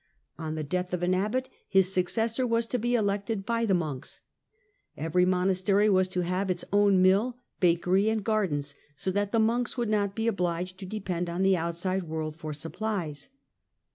On the death of an abbot, his successor was to be elected by the monks. Every monastery was to have its own mill, bakery and gardens, so that the monks would not be obliged to de pend on the outside world for supplies.